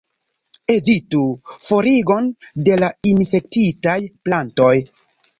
Evitu: forigon de la infektitaj plantoj.